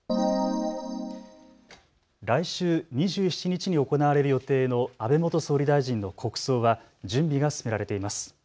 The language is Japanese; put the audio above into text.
来週２７日に行われる予定の安倍元総理大臣の国葬は準備が進められています。